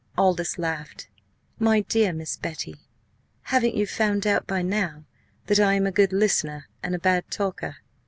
Aldous laughed. "My dear Miss Betty, haven't you found out by now that I am a good listener and a bad talker?